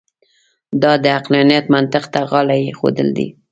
دا د عقلانیت منطق ته غاړه اېښودل دي.